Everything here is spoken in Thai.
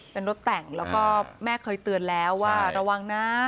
เป็นรถแต่งแล้วก็แม่เคยเตือนแล้วว่าระวังนะ